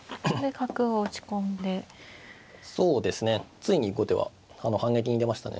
ついに後手は反撃に出ましたね。